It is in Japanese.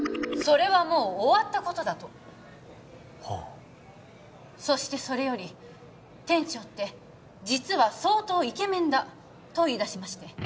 それはもう終わったことだとはあそして「それより店長って実は相当イケメンだ」と言いだしまして